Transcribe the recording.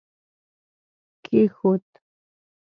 کښېښود